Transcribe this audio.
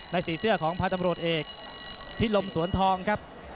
ในสีเสื้อของพาตำรวจเอกที่ลมสวนทองครับ